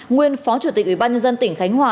nguyên phó chủ tịch ủy ban nhân dân tỉnh khánh hòa